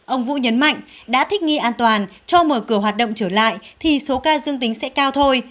ông vũ nhấn mạnh đã thích nghi an toàn cho mở cửa hoạt động trở lại thì số ca dương tính sẽ cao thôi